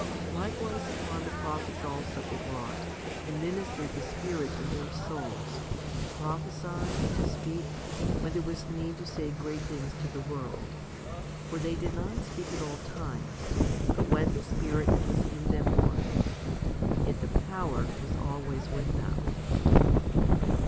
Likewise upon the pro phets also it wrought, and ministered the Spirit in their souls, to prophesy, and to speak, when there was need to say great things to the world. For they did not speak at all times, but when the Spirit that was in them would. Yet the power was always with them.